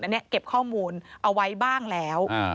อันนี้เก็บข้อมูลเอาไว้บ้างแล้ว